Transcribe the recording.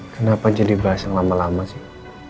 kenapa jadi bahasa yang lama lama sih